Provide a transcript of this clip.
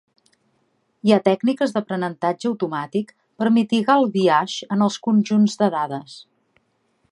Hi ha tècniques d'aprenentatge automàtic per mitigar el biaix en els conjunts de dades.